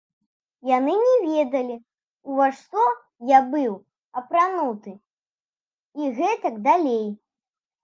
Яны не ведалі, ува што я быў апрануты і гэтак далей.